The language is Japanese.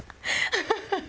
ハハハハ！